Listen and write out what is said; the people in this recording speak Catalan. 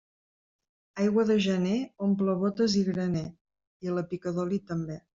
Aigua de gener omple bótes i graner, i la pica d'oli també.